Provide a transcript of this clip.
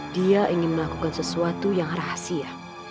dia ingin melakukan sesuatu yang rahasia